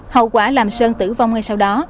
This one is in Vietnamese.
hậu quả làm sơn tử vong ngay sau đó